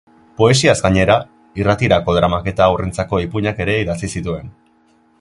Poesiaz gainera, irratirako dramak eta haurrentzako ipuinak ere idatzi zituen.